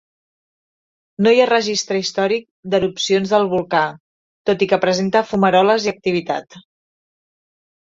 No hi ha registre històric d'erupcions del volcà, tot i que presenta fumaroles i activitat.